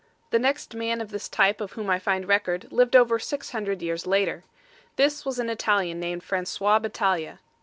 The next man of this type of whom I find record lived over six hundred years later. This was an Italian named Francois Battalia.